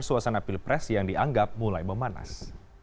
suasana pilpres yang dianggap mulai memanas